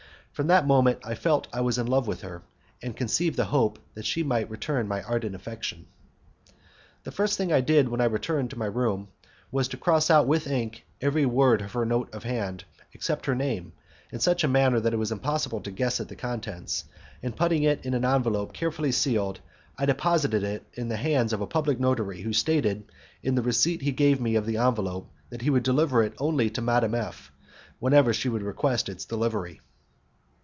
From that moment I felt I was in love with her, and I conceived the hope that she might return my ardent affection. The first thing I did, when I returned to my room was to cross out with ink every word of her note of hand, except her name, in such a manner that it was impossible to guess at the contents, and putting it in an envelope carefully sealed, I deposited it in the hands of a public notary who stated, in the receipt he gave me of the envelope, that he would deliver it only to Madame F , whenever she should request its delivery.